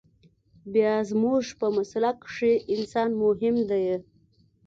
بيا زموږ په مسلک کښې انسان مهم ديه.